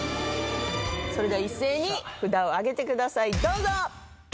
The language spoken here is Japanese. それでは一斉に札を上げてくださいどうぞ。